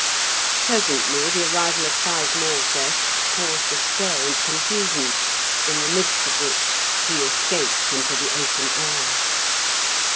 Presently the arrival of five more guests caused a stir and confusion, in the midst of which he escaped into the open air.